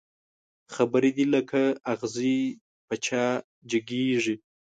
خبري دي لکه اغزي په چا جګېږي